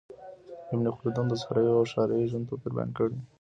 ابن خلدون د صحرایي او ښاري ژوند توپیر بیان کړ.